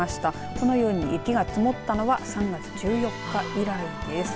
このように雪が積もったのが３月１４日以来です。